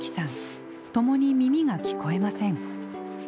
ともに耳が聞こえません。